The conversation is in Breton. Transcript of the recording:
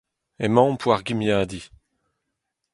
Emaomp war gimiadiñ.